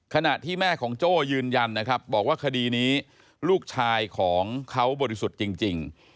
ขณะที่แม่ของโจ้ยืนยันนะครับบอกว่าคดีนี้ลูกชายของเขาบริสุทธิ์จริง